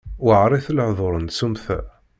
Weɛrit lehdur n tsumta.